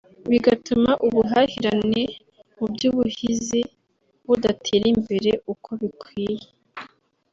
bigatuma ubuhahirane mu by’ubuhizi budatera imbere uko bikwiye